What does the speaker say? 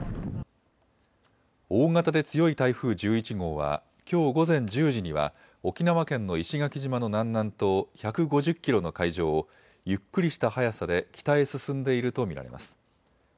大型で強い台風１１号はきょう午前１０時には沖縄県の石垣島の南南東１５０キロの海上をゆっくりした速さで北へ進んでいると見られます。